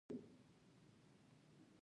دوی به تر هغه وخته پورې انتقادي فکر کوي.